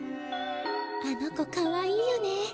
あの子かわいいよね。